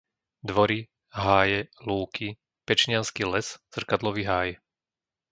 Dvory, Háje, Lúky, Pečniansky les, Zrkadlový háj